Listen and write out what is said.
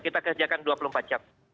kita kerjakan dua puluh empat jam